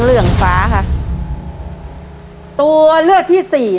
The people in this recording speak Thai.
เร็วเร็วเร็ว